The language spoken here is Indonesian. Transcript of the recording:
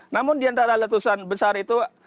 namun diantara letusan besar itu